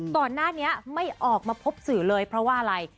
ก่อนหน้านี้ไม่ออกมาพบสื่อเลยเพราะว่าอะไร